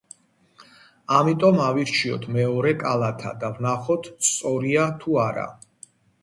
ამიტომ, ავირჩიოთ მეორე კალათა და ვნახოთ სწორია თუ არა.